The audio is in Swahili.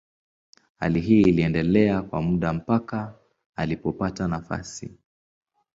Hali hii iliendelea kwa muda mpaka alipopata nafasi.